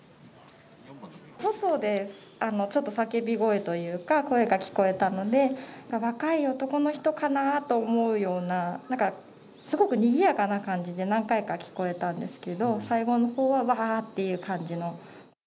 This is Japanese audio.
外でちょっと叫び声というか、声が聞こえたので、若い男の人かなと思うような、なんかすごくにぎやかな感じで、何回か聞こえたんですけど、最後のほうは、わーっていう感じの。